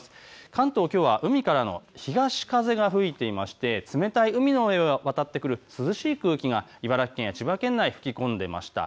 関東はきょう海からの東風が吹いていて冷たい海の上を渡ってくる涼しい空気が茨城県内、千葉県内、吹き込んできました。